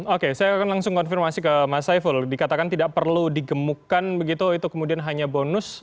oke saya akan langsung konfirmasi ke mas saiful dikatakan tidak perlu digemukkan begitu itu kemudian hanya bonus